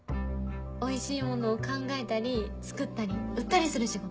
おいしいものを考えたり作ったり売ったりする仕事。